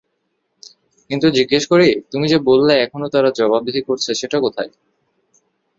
কিন্তু জিজ্ঞাসা করি, তুমি যে বললে এখনো তারা জবাবদিহি করছে সেটা কোথায়?